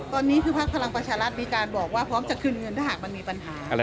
ตอนนี้คือพักพลังประชารัฐมีการบอกว่าพร้อมจะคืนเงินถ้าหากมันมีปัญหา